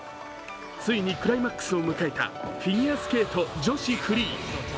ついにクライマックスを迎えたフィギュアスケート女子フリー。